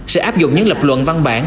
sẽ áp dụng những lập luận văn bản